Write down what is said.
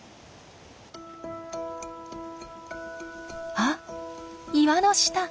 あっ岩の下。